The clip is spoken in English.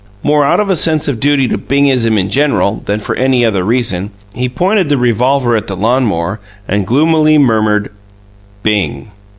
More out of a sense of duty to bingism in general than for any other reason, he pointed the revolver at the lawn mower, and gloomily murmured, "Bing!"